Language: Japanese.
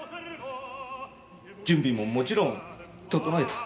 準備ももちろん整えた。